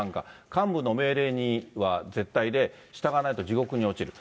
幹部の命令には絶対で、従わないと地獄に落ちる。